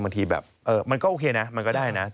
บางทีแบบมันก็โอเคนะมันก็ได้นะ